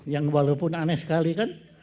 yang walaupun aneh sekali kan